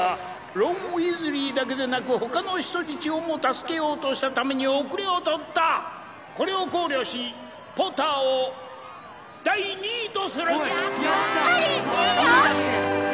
ロン・ウィーズリーだけでなく他の人質をも助けようとしたために後れを取ったこれを考慮しポッターを第２位とするおいやった２位だってハリー２位よ！